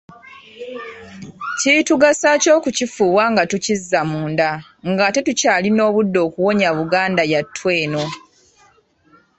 Kiritugasaaki okukifuuwa nga tukizza munda ng’ate tukyalina obudde okuwonya Buganda yattu eno?